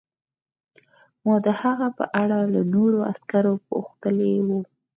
ما د هغه په اړه له نورو عسکرو پوښتلي وو